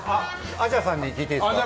アジャさんに聞いていいですか。